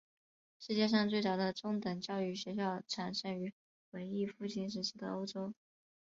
世界上最早的中等教育学校产生于文艺复兴时期的欧洲。